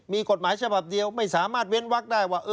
มีกฎหมายฉบับเดียวไม่สามารถเว้นวักได้ว่า